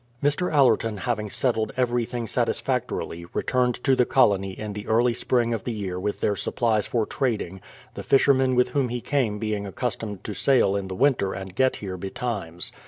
Mr. Allerton having settled everything satisfactorily, re turned to the colony in the early spring of the year with THE PLYMOUTH SETTLEMENT 191 their supplies for trading, the fishermen with whom he came being accustomed to sail in the winter and get here betimes.